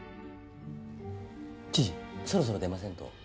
知事そろそろ出ませんと。